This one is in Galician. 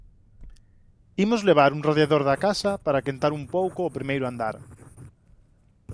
Imos levar un radiador da casa para quentar un pouco o primeiro andar.